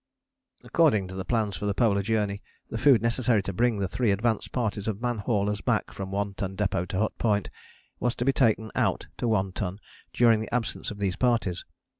According to the plans for the Polar Journey the food necessary to bring the three advance parties of man haulers back from One Ton Depôt to Hut Point was to be taken out to One Ton during the absence of these parties.